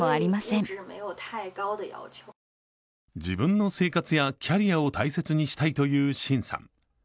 自分の生活やキャリアを大切にしたいという秦さん。